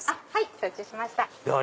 承知しました。